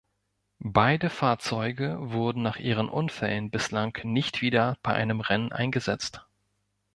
Beide Fahrzeuge wurden nach ihren Unfällen bislang nicht wieder bei einem Rennen eingesetzt.